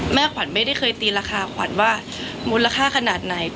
ขวัญไม่ได้เคยตีราคาขวัญว่ามูลค่าขนาดไหน